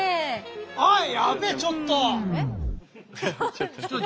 あっやべえちょっと！